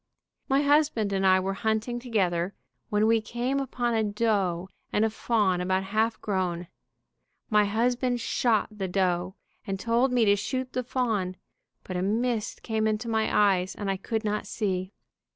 My husband and I were hunting together, when we came upon a doe and a fawn about half grown. My husband shot the doe, and told me to shoot the fawn, but a mist came into my eyes and I could not see.